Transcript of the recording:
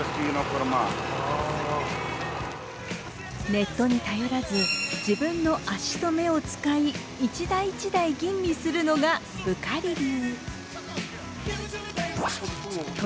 ネットに頼らず自分の足と目を使い一台一台吟味するのがブカリ流。